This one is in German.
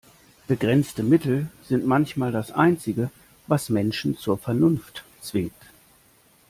Begrenzte Mittel sind manchmal das Einzige, was Menschen zur Vernunft zwingt.